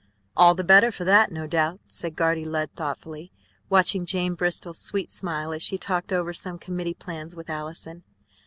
"All the better for that, no doubt," said Guardy Lud thoughtfully, watching Jane Bristol's sweet smile as she talked over some committee plans with Allison.